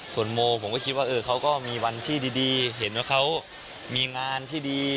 ส่วนโมผมก็คิดว่าเขาก็มีวันที่ดีเห็นว่าเขามีงานที่ดี